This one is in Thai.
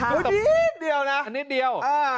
อันนี้นิดเดียวนะอันนี้นิดเดียว